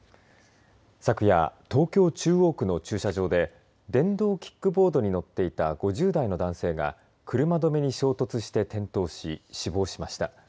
昨夜東京、中央区の駐車場で電動キックボードに乗っていた５０代の男性が車止めに衝突して転倒し死亡しました。